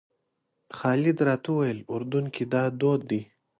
خالد راته وویل اردن کې دا دود دی.